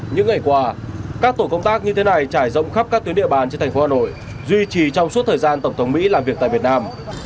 những ngày qua các tổ công tác như thế này trải rộng khắp các tuyến địa bàn trên thành phố hà nội duy trì trong suốt thời gian tổng thống mỹ làm việc tại việt nam